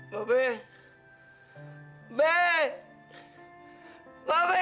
mbak bebe di mana bebe